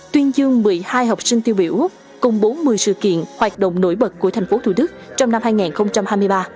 tuyên dương một mươi hai học sinh tiêu biểu công bố một mươi sự kiện hoạt động nổi bật của thành phố thủ đức trong năm hai nghìn hai mươi ba